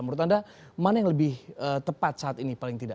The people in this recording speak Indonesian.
menurut anda mana yang lebih tepat saat ini paling tidak